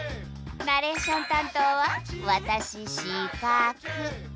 ナレーション担当は私四角。